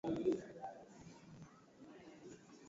anaweza kutoa veto dhidi ya sheria zilizoamuliwa na bunge